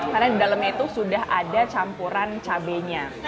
karena di dalamnya itu sudah ada campuran cabenya